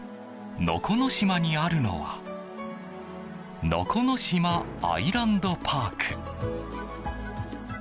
能古島にあるのはのこのしまアイランドパーク。